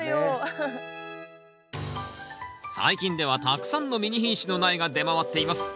最近ではたくさんのミニ品種の苗が出回っています。